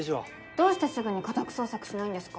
どうしてすぐに家宅捜索しないんですか？